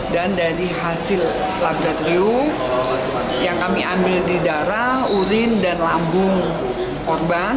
dan dari hasil laboratorium yang kami ambil di darah urin dan lambung korban